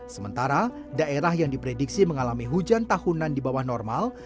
sementara daerah yang diprediksi mengalami hujan tahunan di bawah normal